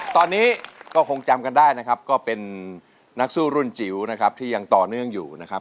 ตอนนี้ก็คงจำกันได้นะครับก็เป็นนักสู้รุ่นจิ๋วนะครับที่ยังต่อเนื่องอยู่นะครับ